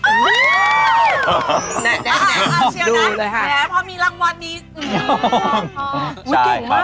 เหนียงนะเว้ยพอมีรางวัลนะ